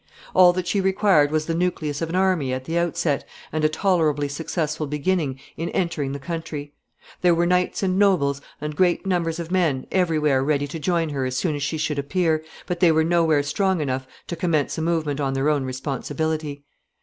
All that she required was the nucleus of an army at the outset, and a tolerably successful beginning in entering the country. There were knights and nobles, and great numbers of men, every where ready to join her as soon as she should appear, but they were nowhere strong enough to commence a movement on their own responsibility.